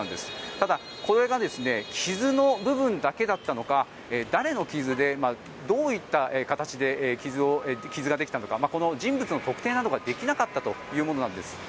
ただ、これが傷の部分だけだったのか誰の傷でどういった形で傷ができたのか人物の特定などができなかったというものなんです。